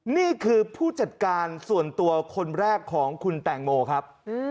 นี่คือผู้จัดการส่วนตัวคนแรกของคุณแตงโมครับ